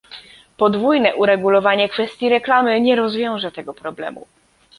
Podwójne uregulowanie kwestii reklamy nie rozwiąże tego problemu